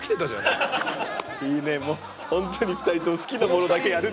もうホントに２人とも好きなものだけやるっていうね。